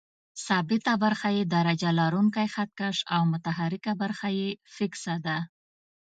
ثابته برخه یې درجه لرونکی خط کش او متحرکه برخه یې فکسه ده.